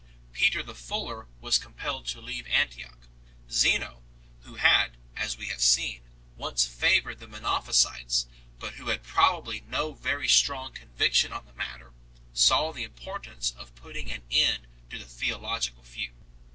Peter the Fuller was com pelled to leave Antioch. Zeno, who had (as we have seen) once favoured the Monophysites, but who had probably no very strong conviction 011 the matter, saw the import ance of putting an end to the theological feud.